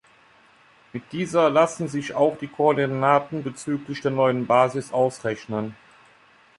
Mit dieser lassen sich auch die Koordinaten bezüglich der neuen Basis ausrechnen.